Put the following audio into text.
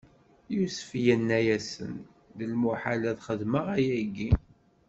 Yusef inna-yasen: D lmuḥal ad xedmeɣ ayagi!